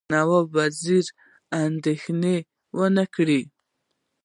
نواب وزیر اندېښنه ونه کړي.